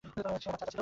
সে আমার চাচা ছিল।